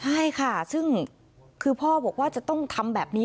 ใช่ค่ะซึ่งคือพ่อบอกว่าจะต้องทำแบบนี้